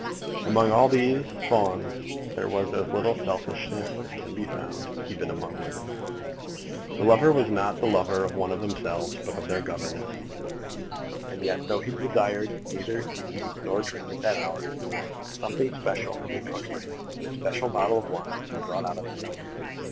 Among all these Fawns there was as little selfishness as can be found, even among women. The lover was not the lover of one of themselves, but of their governess. And yet, though he desired neither to eat nor drink at that hour, something special had been cooked for him, and a special bottle of wine had been brought out of the cellar.